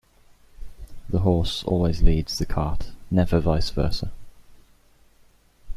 The horse always leads the cart, never vice versa.